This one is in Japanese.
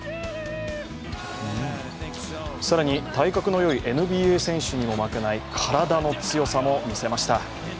更に体格のよいＮＢＡ選手にも負けない体の強さを見せました。